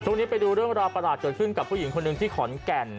ไปดูเรื่องราวประหลาดเกิดขึ้นกับผู้หญิงคนหนึ่งที่ขอนแก่น